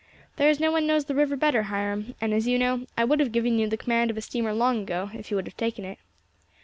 "There is no one knows the river better, Hiram; and, as you know, I would have given you the command of a steamer long ago if you would have taken it."